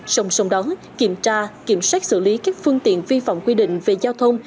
sông sông đó kiểm tra kiểm soát xử lý các phương tiện vi phạm quy định về giao thông